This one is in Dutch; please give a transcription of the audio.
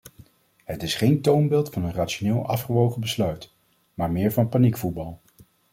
Het is geen toonbeeld van een rationeel afgewogen besluit, maar meer van paniekvoetbal.